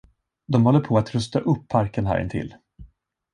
De håller på att rusta upp parken här intill.